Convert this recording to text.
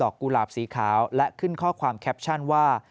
กุหลาบสีขาวและขึ้นข้อความแคปชั่นว่า